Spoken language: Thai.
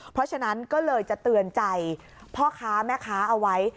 เพราะฉะนั้นก็เลยจะเตือนใจพ่อค้าแม่ค้าเอาไว้